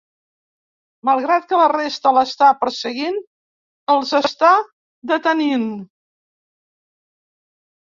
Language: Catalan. Malgrat que la resta l"està perseguint, els està detenint.